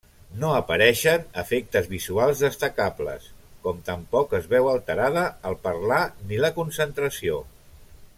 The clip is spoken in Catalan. No apareixen efectes visuals destacables com tampoc es veu alterada el parlar ni la concentració.